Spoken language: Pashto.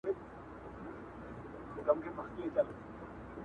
دا په داسي حال کي چي